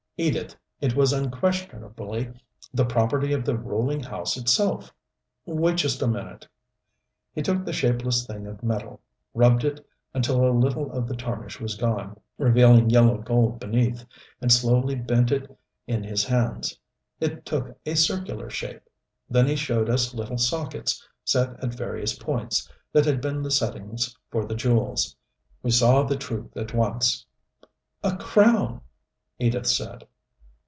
Edith, it was unquestionably the property of the ruling house itself. Wait just a minute." He took the shapeless thing of metal, rubbed it until a little of the tarnish was gone, revealing yellow gold beneath, and slowly bent it in his hands. It took a circular shape. Then he showed us little sockets, set at various points, that had been the settings for the jewels. We saw the truth at once. "A crown!" Edith said.